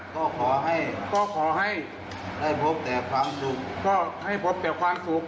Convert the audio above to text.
ก็ขอให้ได้พบแต่ความสุข